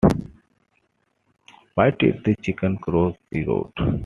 Why did the chicken cross the road?